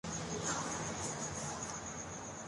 steel mills lease پر دینے کیلئے معاملات حتمی مراحل میں داخل